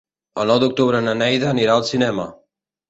El nou d'octubre na Neida anirà al cinema.